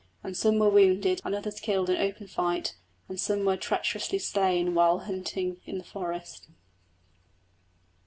And some were wounded and others killed in open fight, and some were treacherously slain when hunting in the forest.